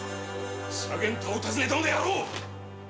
左源太を訪ねたのであろう！